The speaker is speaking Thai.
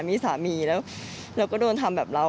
มีสามีแล้วเราก็โดนทำแบบเรา